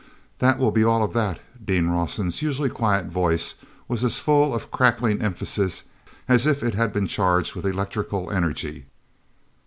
"That will be all of that!" Dean Rawson's usually quiet voice was as full of crackling emphasis as if it had been charged with electrical energy.